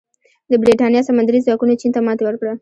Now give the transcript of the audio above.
د برېټانیا سمندري ځواکونو چین ته ماتې ورکړه.